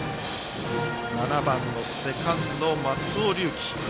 ７番、セカンド、松尾龍樹。